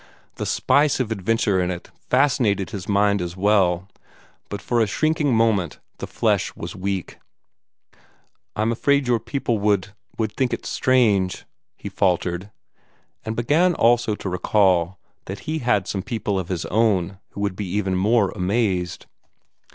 The spice of adventure in it fascinated his mind as well, but for a shrinking moment the flesh was weak. "I'm afraid your people would would think it strange," he faltered and began also to recall that he had some people of his own who would be even more amazed.